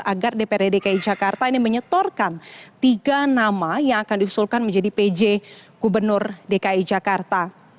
agar dprd dki jakarta ini menyetorkan tiga nama yang akan diusulkan menjadi pj gubernur dki jakarta